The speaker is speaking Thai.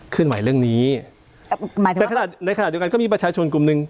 เคลื่อนไหวเรื่องนี้หมายถึงว่าในขณะเดียวกันก็มีประชาชนกลุ่มหนึ่ง